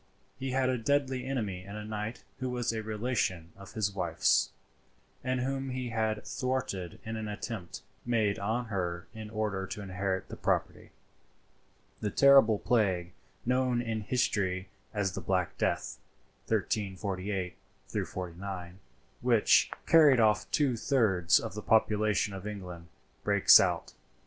He had a deadly enemy in a knight who was a relation of his wife's, and whom he had thwarted in an attempt made on her in order to inherit the property. The terrible plague known in history as the Black Death (1348 49), which carried off two thirds of the population of England, breaks out.